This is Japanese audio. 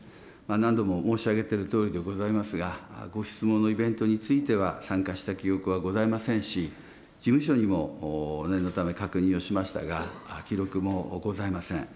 何度も申し上げてるとおりでございますが、ご質問のイベントについては、参加した記憶はございませんし、事務所にも念のため確認をしましたが、記録もございません。